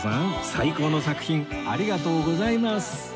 最高の作品ありがとうございます